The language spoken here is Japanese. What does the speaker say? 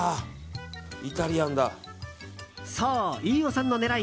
そう、飯尾さんの狙い。